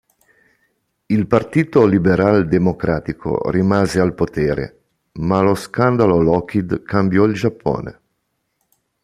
Il Partito Liberal Democratico rimase al potere, ma lo scandalo Lockheed cambiò il Giappone.